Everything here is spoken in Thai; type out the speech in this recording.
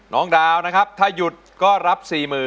น้องดาวนะครับถ้าหยุดก็รับ๔๐๐๐